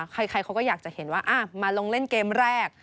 ใครเขาก็อยากจะเห็นว่ามาลงเล่นเกมแรก